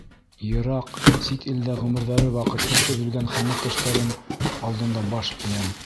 Йыраҡ сит илдә ғүмерҙәре ваҡытһыҙ өҙөлгән хеҙмәттәштәрем алдында баш эйәм.